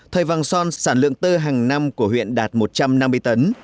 thời vàng son sản lượng tơ hàng năm của huyện đạt một trăm năm mươi tấn